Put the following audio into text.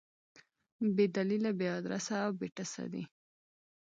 بې دلیله، بې ادرسه او بې ټسه دي.